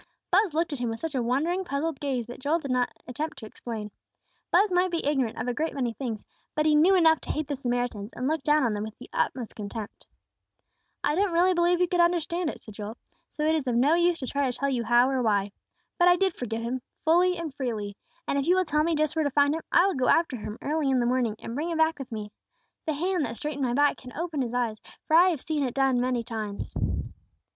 Buz looked at him with such a wondering, puzzled gaze that Joel did not attempt to explain. Buz might be ignorant of a great many things, but he knew enough to hate the Samaritans, and look down on them with the utmost contempt. "I don't really believe you could understand it," said Joel, "so it is of no use to try to tell you how or why. But I did forgive him, fully and freely. And if you will tell me just where to find him, I will go after him early in the morning and bring him back with me. The Hand that straightened my back can open his eyes; for I have seen it done many times."